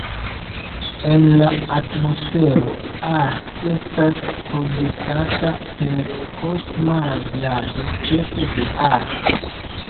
En la atmosfero, Ar estas produktata per kosma radiado, ĉefe de Ar.